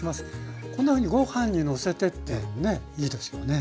こんなふうにご飯にのせてっていうのもねいいですよね。